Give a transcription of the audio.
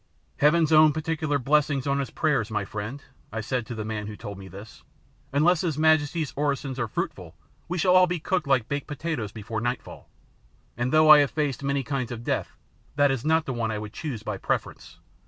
"Heaven's own particular blessing on his prayers, my friend," I said to the man who told me this. "Unless his majesty's orisons are fruitful, we shall all be cooked like baked potatoes before nightfall, and though I have faced many kinds of death, that is not the one I would choose by preference.